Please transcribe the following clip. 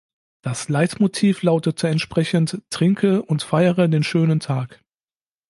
Das Leitmotiv lautete entsprechend: „Trinke und feiere den schönen Tag“.